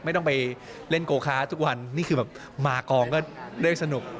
ไม่ต้องไปเล่นโกค้าทุกวันนี่คือแบบมากองก็ได้สนุก